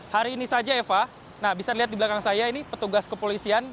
hari ini saja eva nah bisa dilihat di belakang saya ini petugas kepolisian